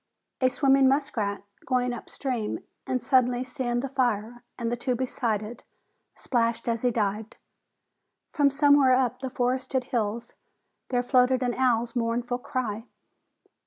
A swimming muskrat, going upstream and suddenly seeing the fire and the two beside it, splashed as he dived. From somewhere up in the forested hills there floated an owl's mournful cry.